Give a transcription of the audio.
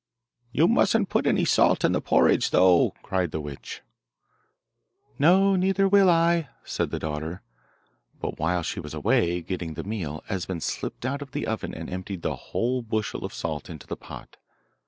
'You mustn't put any salt in the porridge, though,' cried the witch. 'No, neither will I,' said the daughter; but while she was away getting the meal Esben slipped out of the oven and emptied the whole bushel of salt into the pot.